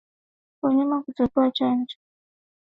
Wanyama kutokupewa chanjo husababisha ugonjwa huu kutokea